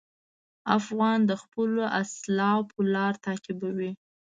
افغان د خپلو اسلافو لار تعقیبوي.